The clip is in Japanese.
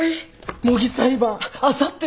模擬裁判あさってだよ。